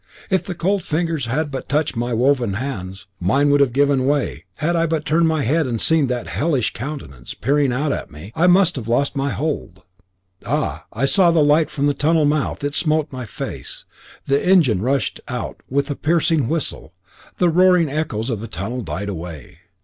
If the cold fingers had but touched my woven hands, mine would have given way; had I but turned my head and seen that hellish countenance peering out at me, I must have lost my hold. Ah! I saw the light from the tunnel mouth; it smote on my face. The engine rushed out with a piercing whistle. The roaring echoes of the tunnel died away.